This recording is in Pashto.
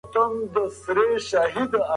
څوک په پښتو ژبه ښکلې لیکنې کوي؟